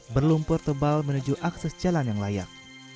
berlumpur tebal menuju akses jalan yang layak